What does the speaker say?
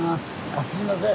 あすいません。